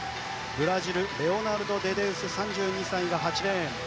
ブラジル、レオナルド・デ・デウス、３２歳は８レーン。